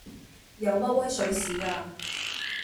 有乜威水史啊